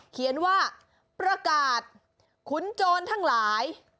เขียนว่าประกาศขุนโจรทั้งหลาย